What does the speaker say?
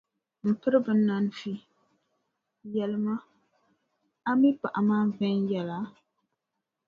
M piriba Nanfi, yɛlimi ma, a mi paɣa maa viɛnyɛla?